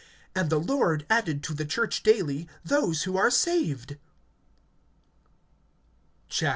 And the Lord added to the church daily those who are saved[2:47].